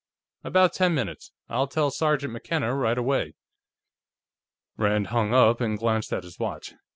"About ten minutes. I'll tell Sergeant McKenna right away." Rand hung up and glanced at his watch.